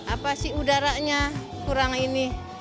apa sih udaranya kurang ini